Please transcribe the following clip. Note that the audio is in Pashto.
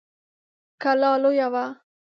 کلا لويه وه.